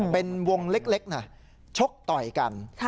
เป็นวงเล็กนะชกต่อยกัน